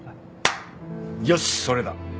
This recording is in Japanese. よしそれだ。